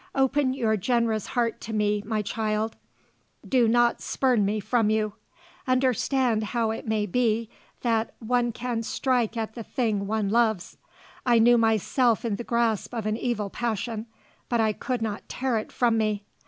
Open your generous heart to me, my child; do not spurn me from you. Understand how it may be that one can strike at the thing one loves. I knew myself in the grasp of an evil passion, but I could not tear it from me.